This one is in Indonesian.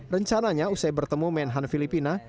rencananya usai bertemu menhan filipina